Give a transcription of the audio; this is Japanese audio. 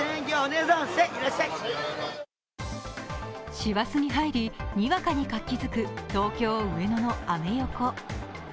師走に入り、にわかに活気づく東京・上野のアメ横。